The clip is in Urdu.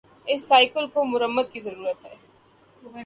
اس سائیکل کو مرمت کی ضرورت ہے